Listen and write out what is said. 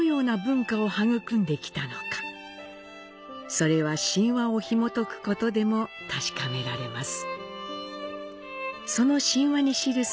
それは神話をひもとくことでも確かめられます。